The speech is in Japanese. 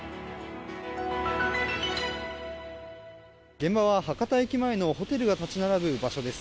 現場は、博多駅前のホテルが立ち並ぶ場所です。